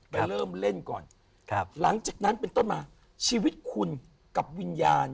เริ่มเล่นก่อนครับหลังจากนั้นเป็นต้นมาชีวิตคุณกับวิญญาณ